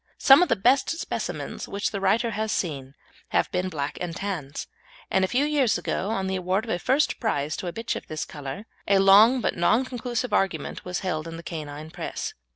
Some of the best specimens which the writer has seen have been black and tans, and a few years ago on the award of a first prize to a bitch of this colour, a long but non conclusive argument was held in the canine press.